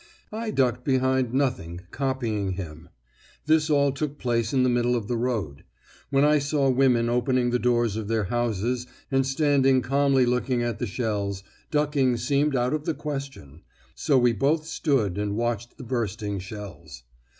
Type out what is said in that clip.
I ducked behind nothing, copying him. This all took place in the middle of the road. But when I saw women opening the doors of their houses and standing calmly looking at the shells, ducking seemed out of the question; so we both stood and watched the bursting shells.